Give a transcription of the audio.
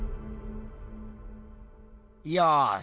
よし。